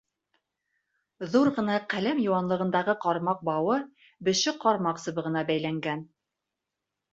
Ҙур ғына ҡәләм йыуанлығындағы ҡармаҡ бауы беше ҡармаҡ сыбығына бәйләнгән.